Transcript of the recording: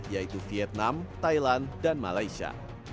yaitu vietnam thailand dan malaysia